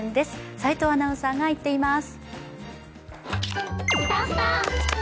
齋藤アナウンサーが行っています。